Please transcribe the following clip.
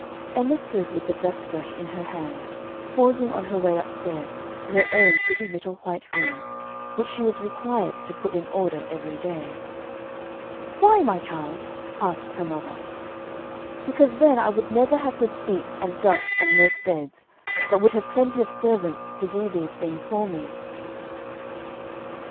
Emma stood with the dust brush in her hand, pausing on her way upstairs to her own pretty little white room, which she was required to put in order every day. "Why, my child?" asked her mother. "Because then I would never have to sweep and dust and make beds, but would have plenty of servants to do these things for me."